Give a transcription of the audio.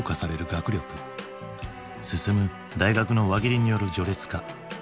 進む大学の輪切りによる序列化。